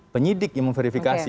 penyidik yang verifikasi